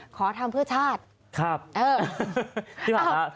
ขอทำเพื่อชาติฮะ